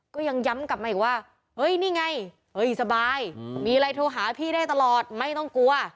ก็ยังย้ำกลับมาอีกว่าเฮ้ยนี่ไงเฮ้ยสบายมีอะไรโทรหาพี่ได้ตลอดไม่ต้องกลัว